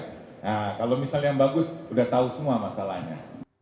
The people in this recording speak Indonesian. nah kalau misalnya yang bagus udah tahu semua masalahnya